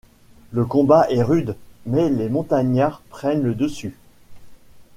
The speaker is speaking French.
Le combat est rude, mais les montagnards prennent le dessus.